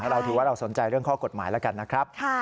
เราถือว่าเราสนใจเรื่องข้อกฎหมายแล้วกันนะครับ